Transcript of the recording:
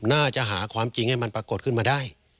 น่าจะหาความจริงให้มันปรากฏขึ้นมาได้